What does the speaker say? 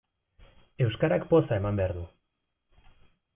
Euskarak poza eman behar du.